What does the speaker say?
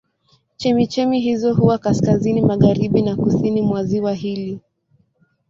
Chemchemi hizo huwa kaskazini magharibi na kusini mwa ziwa hili.